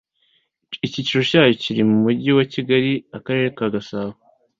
Icyicaro Cyayo Kiri Mu Mujyi Wa Kigali Akarere ka gasabo